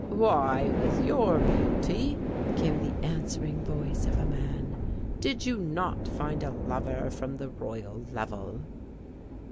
"Why with your beauty," came the answering voice of a man, "did you not find a lover from the Royal Level?"